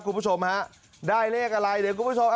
คุณผู้ชมฮะได้เลขอะไรเดี๋ยวคุณผู้ชม